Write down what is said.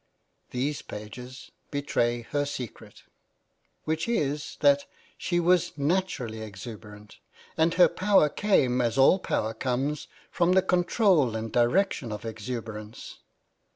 These pages betray her secret ; xiv £ PREFACE £ which is that she was naturally exuberant. And her power came, as all power comes, from the control and direction of exuberance.